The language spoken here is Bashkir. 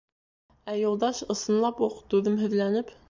Ә Юлдаш, ысынлап уҡ түҙемһеҙләнеп: